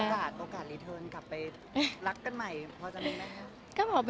โอกาสรีเทิร์นกลับไปรักกันใหม่พอจะมีไหมครับ